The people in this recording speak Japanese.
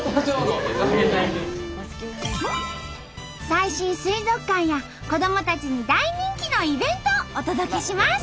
最新水族館や子どもたちに大人気のイベントをお届けします！